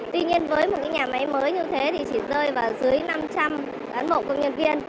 tuy nhiên với một nhà máy mới như thế thì chỉ rơi vào dưới năm trăm linh cán bộ công nhân viên